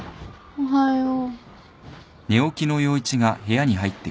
おはよう。